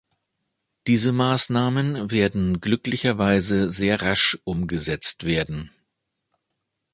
Diese Maßnahmen werden glücklicherweise sehr rasch umgesetzt werden.